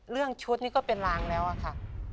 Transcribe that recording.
เรื่องชุดนี้ก็เป็นรางแล้วอะค่ะ